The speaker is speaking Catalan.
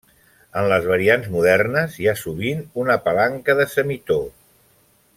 En les variants modernes, hi ha sovint una palanca de semitò.